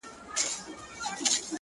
o د نورو د ستم په گيلاسونو کي ورک نه يم؛